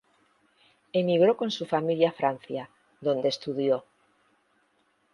Emigró con su familia a Francia, donde estudió.